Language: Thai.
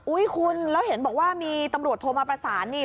คุณแล้วเห็นบอกว่ามีตำรวจโทรมาประสานนี่